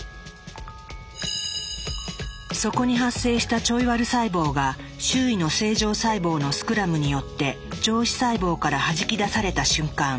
そこに発生したちょいワル細胞が周囲の正常細胞のスクラムによって上皮細胞からはじき出された瞬間。